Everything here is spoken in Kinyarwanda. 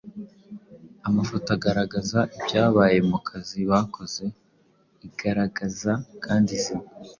Amafoto agaragaza ibyabaye mukazi bakoze Igaragaza kandi izina